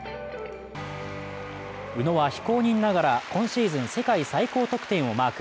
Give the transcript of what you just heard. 宇野は、非公認ながら今シーズン世界最高得点をマーク。